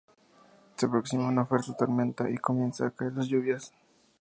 Se aproxima una fuerte tormenta y comienzan a caer las lluvias.